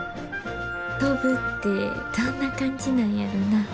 飛ぶってどんな感じなんやろな。